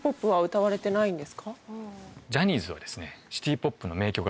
ジャニーズは。